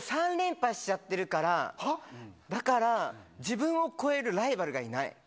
だから自分を超えるライバルがいない。